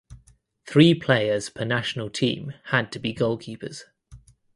Three players per national team had to be goalkeepers.